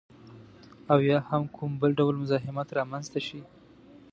او یا هم کوم بل ډول مزاحمت رامنځته شي